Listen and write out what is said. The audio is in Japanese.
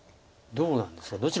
どうなんですか。